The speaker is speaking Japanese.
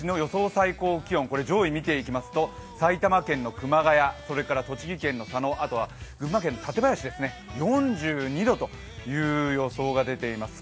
最高気温、上位を見ていきますと、埼玉県の熊谷、栃木県の佐野、あとは群馬県の館林、４２度という予想が出ています。